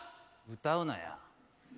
歌うなや。